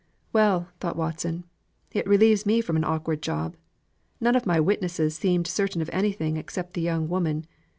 "Well," thought Watson, "it relieves me from an awkward job. None of my witnesses seemed certain of anything except the young woman.